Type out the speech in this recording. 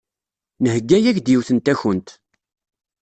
Nheyya-ak-d yiwet n takunt.